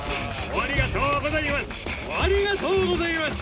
ありがとうございます！